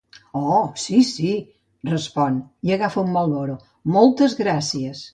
Oh, sí, sí –respon, i agafa un Marlboro–, moltes gràcies.